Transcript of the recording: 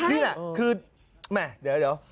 นี่แหละคือแหม่เดี๋ยว